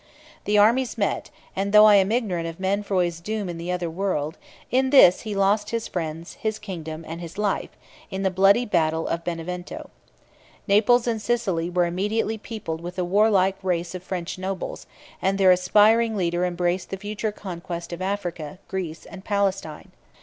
The armies met: and though I am ignorant of Mainfroy's doom in the other world, in this he lost his friends, his kingdom, and his life, in the bloody battle of Benevento. Naples and Sicily were immediately peopled with a warlike race of French nobles; and their aspiring leader embraced the future conquest of Africa, Greece, and Palestine.